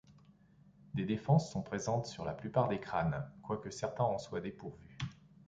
Des défenses sont présentes sur la plupart des crânes, quoique certains en soient dépourvus.